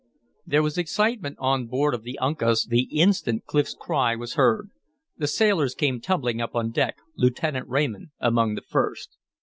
There was excitement on board of the Uncas the instant Clif's cry was heard. The sailors came tumbling up on deck, Lieutenant Raymond among the first.